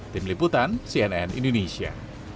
tim liputan cnn indonesia